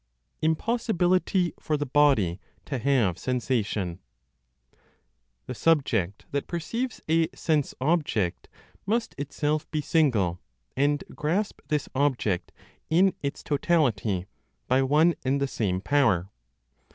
IMPOSSIBILITY FOR THE BODY TO HAVE SENSATION. The subject that perceives a sense object must itself be single, and grasp this object in its totality, by one and the same power.